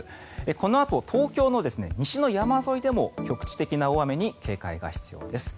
このあと東京の西の山沿いでも局地的な大雨に警戒が必要です。